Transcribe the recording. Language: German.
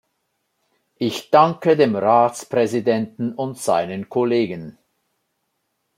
Ich danke dem Ratspräsidenten und seinen Kollegen.